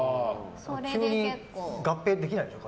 急に合併できないでしょ。